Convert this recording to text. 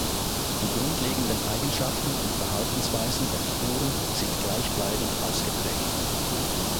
Die grundlegenden Eigenschaften und Verhaltensweisen der Figuren sind gleichbleibend ausgeprägt.